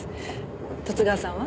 十津川さんは？